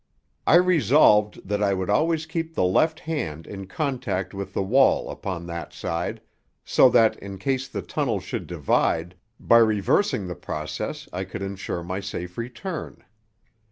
I resolved that I would always keep the left hand in contact with the wall upon that side, so that, in case the tunnel should divide, by reversing the process I could ensure my safe return.